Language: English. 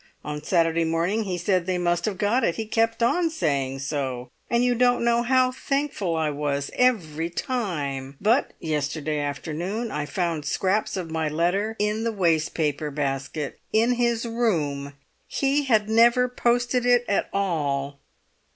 On Saturday morning he said they must have got it; he kept on saying so, and you don't know how thankful I was every time! But yesterday afternoon I found scraps of my letter in the waste paper basket in his room; he'd never posted it at all!"